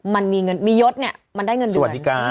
มันมียดเนี้ยมันได้เงินเดือน